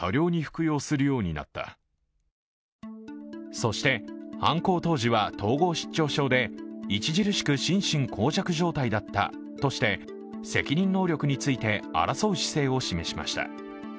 そして、犯行当時は統合失調症で著しく心神耗弱状態だったとして責任能力について争う姿勢を示しました。